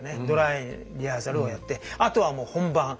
ドライリハーサルをやってあとはもう本番。